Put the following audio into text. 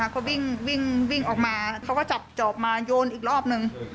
เขาวิ่งวิ่งออกมาเขาก็จับจอบมาโยนอีกรอบนึง